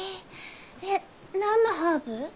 えっなんのハーブ？